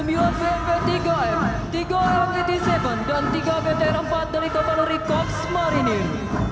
sembilan bmp tiga m tiga m delapan puluh tujuh dan tiga btr empat dari kapal rikoks marinir